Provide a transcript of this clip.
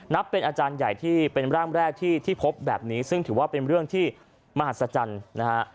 เป็นอาจารย์ใหญ่ที่เป็นร่างแรกที่พบแบบนี้ซึ่งถือว่าเป็นเรื่องที่มหัศจรรย์นะฮะ